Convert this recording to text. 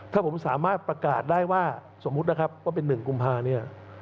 ถ้าผมสามารถประกาศได้ว่าสมมุตินะครับว่าเป็น๑กุมภาเนี่ย